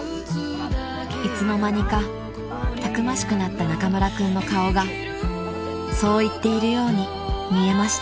［いつの間にかたくましくなった中村君の顔がそう言っているように見えました］